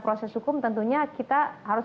proses hukum tentunya kita harus